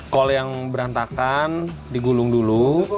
kol yang berantakan digulung dulu